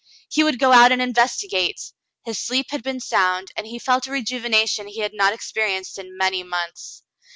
He would go out and inves tigate. His sleep had been sound, and he felt a rejuve nation he had not experienced in many months.